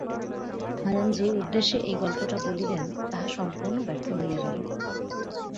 হারান যে উদ্দেশ্যে এই গল্পটা বলিলেন তাহা সম্পূর্ণ ব্যর্থ হইয়া গেল।